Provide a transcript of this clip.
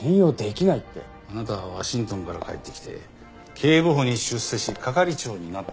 あなたはワシントンから帰ってきて警部補に出世し係長になったばかり。